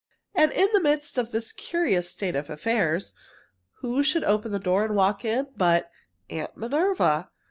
And in the midst of this curious state of affairs, who should open the door and walk in but Aunt Minerva!